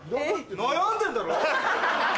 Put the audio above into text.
悩んでんだろ！